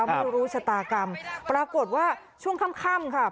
ไม่รู้ชะตากรรมปรากฏว่าช่วงค่ำค่ะ